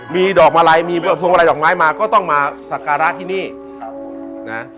มีดอกมาลัยมีพวงมาลัยดอกไม้มาก็ต้องมาสักการะที่นี่นะ